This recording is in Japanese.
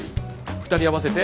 ２人合わせて。